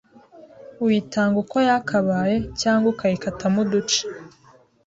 uyitanga uko yakabaye cyangwa ukayikatamo uduce